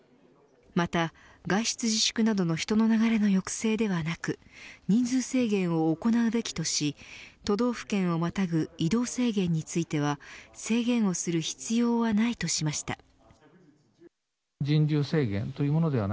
また外出自粛などの人の流れの抑制ではなく人数制限を行うべきとし都道府県をまたぐ移動制限については制限をする必要はないとしました。